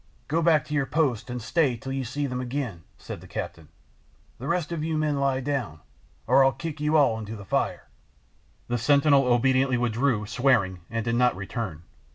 "Go back to your post, and stay till you see them again," said the captain. "The rest of you lie down again, or I'll kick you all into the fire." The sentinel obediently withdrew, swearing, and did not return.